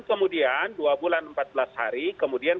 kemudian dua bulan empat belas hari kemudian